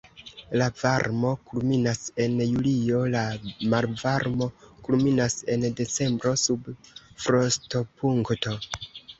La varmo kulminas en julio, la malvarmo kulminas en decembro sub frostopunkto.